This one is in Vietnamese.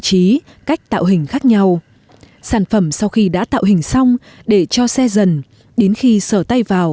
trí cách tạo hình khác nhau sản phẩm sau khi đã tạo hình xong để cho xe dần đến khi sửa tay vào